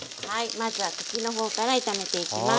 まずは茎の方から炒めていきます。